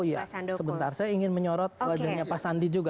oh iya sebentar saya ingin menyorot wajahnya pak sandi juga